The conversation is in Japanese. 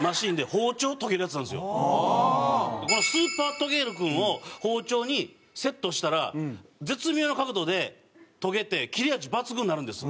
このスーパートゲール君を包丁にセットしたら絶妙な角度で研げて切れ味抜群になるんです。